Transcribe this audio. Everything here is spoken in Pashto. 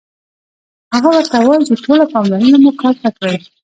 هغه ورته وايي چې ټوله پاملرنه مو کار ته کړئ